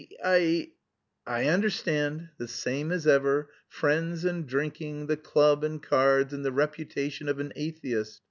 "I understand. The same as ever, friends and drinking, the club and cards, and the reputation of an atheist.